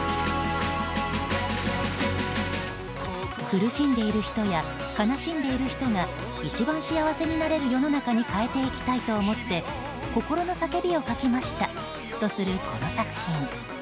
苦しんでいる人や悲しんでいる人が一番幸せになれる世の中に変えていきたいと思って心の叫びを書きましたとするこの作品。